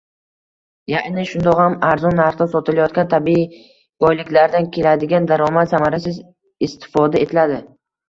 Ya’ni, shundog‘am arzon narxda sotilayotgan tabiiy boyliklardan keladigan daromad samarasiz istifoda etiladi.